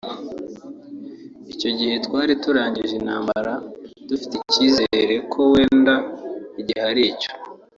”Icyo gihe twari turangije intambara tugifite icyizere ko wenda igihe ari icyo